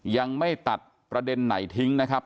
ยังไม่ตัดประเด็นไหนทิ้งนะครับ